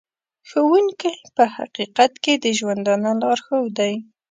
ښوونکی په حقیقت کې د ژوندانه لارښود دی.